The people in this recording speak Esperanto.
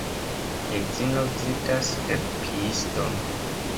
Edzino vizitas terapiiston.